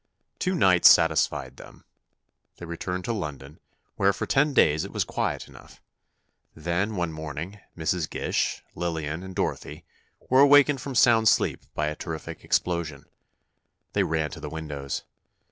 Two nights satisfied them. They returned to London, where for ten days it was quiet enough. Then, one morning, Mrs. Gish, Lillian and Dorothy, were awakened from sound sleep by a terrific explosion. They ran to the windows.